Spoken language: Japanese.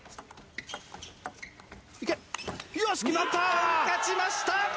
日本、勝ちました！